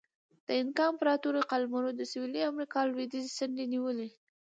د اینکا امپراتورۍ قلمرو د سویلي امریکا لوېدیځې څنډې نیولې.